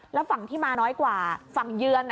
แล้วฝั่งที่มาน้อยกว่าฝั่งเยือน